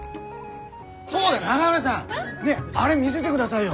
そうだ永浦さんねえあれ見せてくださいよ。